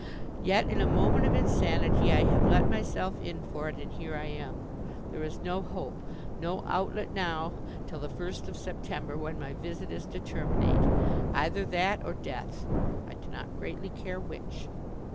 Yet in a moment of insanity I have let myself in for it and here I am. There is no hope, no outlet now till the first of September when my visit is to terminate. Either that or death. I do not greatly care which.